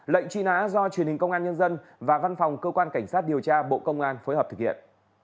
lệnh truy nã do truyền hình công an nhân dân và văn phòng cơ quan cảnh sát điều tra bộ công an phối hợp thực hiện